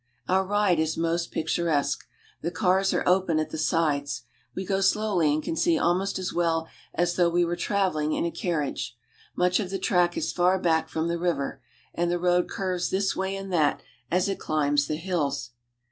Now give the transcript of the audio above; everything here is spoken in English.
Our ride is most picturesque. The cars are open at the sides ; we go slowly and can see almost as well as though we were traveling in a carriage. Much of the track is far back from the river; and the road curves this way and that as it climbs the hills.